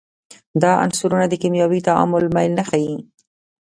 دا عنصرونه د کیمیاوي تعامل میل نه ښیي.